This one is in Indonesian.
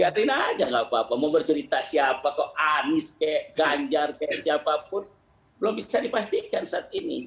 lihatin aja gak apa apa mau bercerita siapa kok anies kayak ganjar kayak siapapun belum bisa dipastikan saat ini